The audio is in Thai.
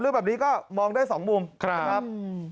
รูปแบบนี้ก็มองได้สองมุม